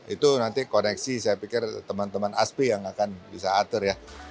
itu nanti koneksi saya pikir teman teman aspi yang akan bisa atur ya